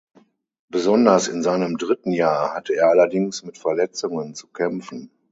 Besonders in seinem dritten Jahr hatte er allerdings mit Verletzungen zu kämpfen.